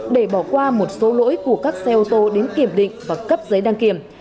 để bỏ qua một số lỗi của các xe ô tô đến kiểm định và cấp giấy đăng kiểm